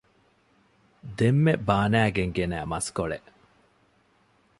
ދެންމެ ބާނައިގެން ގެނައި މަސްކޮޅެއް